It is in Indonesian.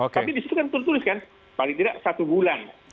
tapi disitu kan tertulis kan paling tidak satu bulan